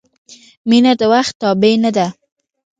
• مینه د وخت تابع نه ده.